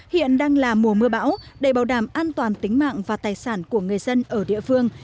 hiện đang là mùa mưa bão để bảo đảm an toàn tính mạng và tài sản của người dân ở địa phương